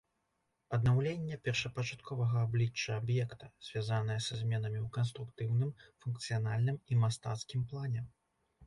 Аднаўленне першапачатковага аблічча аб'екта, звязанае са зменамі ў канструктыўным, функцыянальным і мастацкім плане.